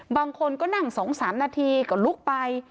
บางคนก็นั่งสองสามนาทีก็ลุกไป